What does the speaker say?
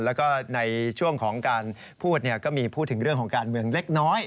แล้วก็ในช่วงของการพูดก็มีพูดถึงเรื่องของการเมืองเล็กน้อย